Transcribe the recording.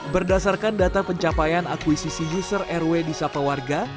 berdasarkan data pencapaian akuisisi user rw di sapa warga